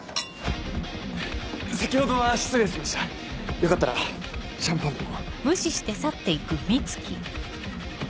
先ほどは失礼しましたよかったらシャンパンでも。